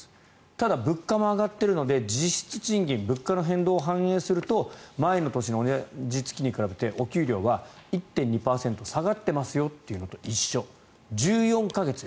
ただ、物価も上がっているので実質賃金物価の変動を反映すると前の年の同じ月に比べて１．２％下がっているのと同じ状況。